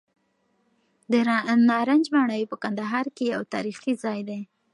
د نارنج ماڼۍ په کندهار کې یو تاریخي ځای دی.